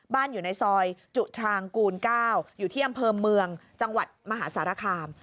อยู่ในซอยจุทรางกูล๙อยู่ที่อำเภอเมืองจังหวัดมหาสารคาม